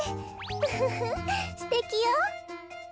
ウフフすてきよ。